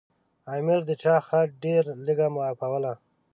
امیر د چا خطا ډېره لږه معافوله.